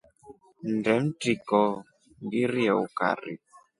Nnde mtriko ngirie ukari.